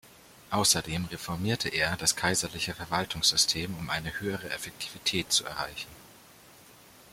Außerdem reformierte er das kaiserliche Verwaltungssystem, um eine höhere Effektivität zu erreichen.